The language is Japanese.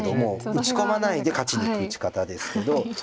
打ち込まないで勝ちにいく打ち方ですけど。